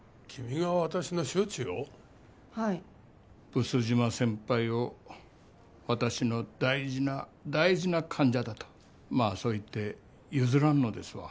毒島先輩を私の大事な大事な患者だとまあそう言って譲らんのですわ。